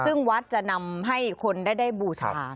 ซึ่งวัดจะนำให้คนได้บูชา